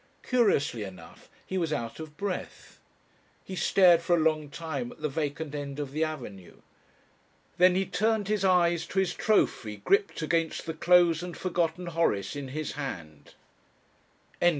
Curiously enough, he was out of breath. He stared for a long time at the vacant end of the avenue. Then he turned his eyes to his trophy gripped against the closed and forgotten Horace in his hand.